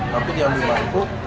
tapi dia ambil panggung